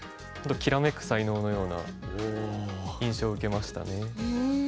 本当きらめく才能のような印象を受けましたね。